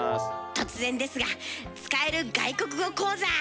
突然ですが使える外国語講座！